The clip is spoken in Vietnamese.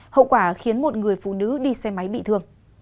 hậu quả khiến một người phụ nữ đi xe máy bị thương